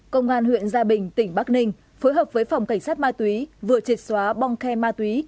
công an huyện gia bình tỉnh bắc ninh phối hợp với phòng cảnh sát ma túy vừa triệt xóa bong khe ma túy